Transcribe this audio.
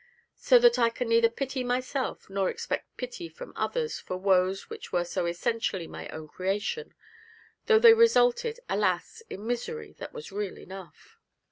So that I can neither pity myself nor expect pity from others for woes which were so essentially my own creation, though they resulted, alas! in misery that was real enough.